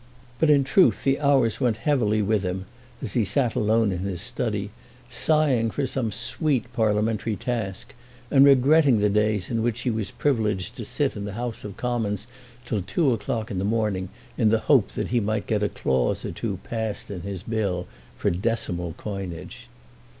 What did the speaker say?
But in truth the hours went heavily with him as he sat alone in his study, sighing for some sweet parliamentary task, and regretting the days in which he was privileged to sit in the House of Commons till two o'clock in the morning, in the hope that he might get a clause or two passed in his Bill for decimal coinage.